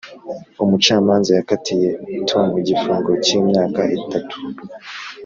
umucamanza yakatiye tom igifungo cy’imyaka itatu.